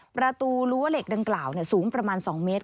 ประตูรั้วเหล็กดังกล่าวสูงประมาณ๒เมตร